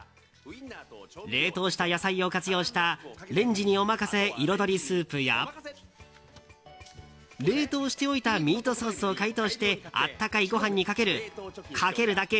冷凍した野菜を活用したレンジにおまかせ彩りスープや冷凍しておいたミートソースを解凍して温かいご飯にかけるかけるだけ！